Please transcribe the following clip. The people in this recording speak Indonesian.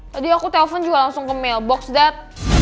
tadi aku telfon juga langsung ke mailbox dad